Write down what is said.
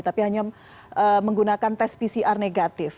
tapi hanya menggunakan tes pcr negatif